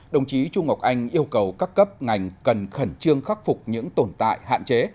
đồng chí trung ngọc anh yêu cầu các cấp ngành cần khẩn trương khắc phục những tồn tại hạn chế